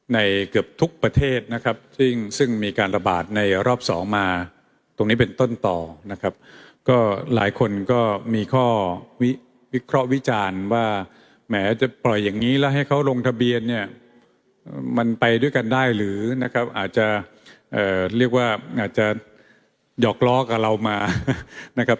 เกือบทุกประเทศนะครับซึ่งซึ่งมีการระบาดในรอบสองมาตรงนี้เป็นต้นต่อนะครับก็หลายคนก็มีข้อวิเคราะห์วิจารณ์ว่าแหมจะปล่อยอย่างนี้แล้วให้เขาลงทะเบียนเนี่ยมันไปด้วยกันได้หรือนะครับอาจจะเรียกว่าอาจจะหยอกล้อกับเรามานะครับ